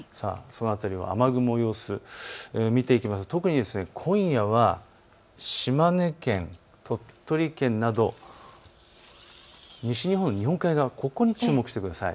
雨雲の様子、見ていきますと特に今夜は島根県、鳥取県など西日本の日本海側ここに注目してください。